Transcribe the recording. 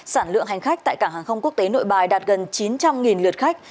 sản lượng hành khách tại cảng hàng không quốc tế nội bài đạt gần chín trăm linh lượt khách